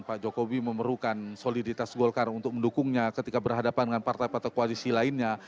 pak jokowi memerlukan soliditas golkar untuk mendukungnya ketika berhadapan dengan partai partai koalisi lainnya